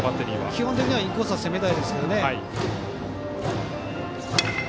基本的にはインコース攻めたいですね。